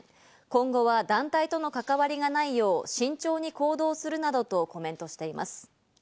今後は団体との関わりがないよう慎重に行動するなどとコメントしています。